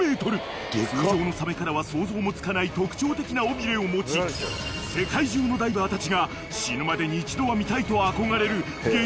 ［通常のサメからは想像もつかない特徴的な尾びれを持ち世界中のダイバーたちが死ぬまでに一度は見たいと憧れる激